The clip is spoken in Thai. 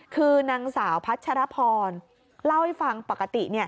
คือนางสาวพัชรพรเล่าให้ฟังปกติ